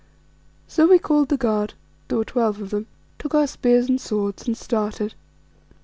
So we called the guard there were twelve of them took our spears and swords and started.